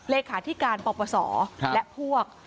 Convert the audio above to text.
เลขาธิการปปศและพวก